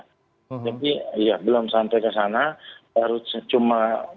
jadi belum sampai ke sana